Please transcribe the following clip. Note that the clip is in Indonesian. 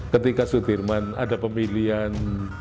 ketika sudirman ada pemilihan